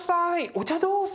お茶どうぞ。